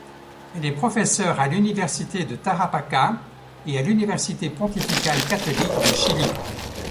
Elle est professeur à l'Université de Tarapacá et à l'Université pontificale catholique du Chili.